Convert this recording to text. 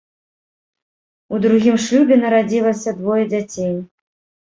У другім шлюбе нарадзілася двое дзяцей.